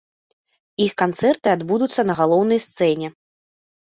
Іх канцэрты адбудуцца на галоўнай сцэне.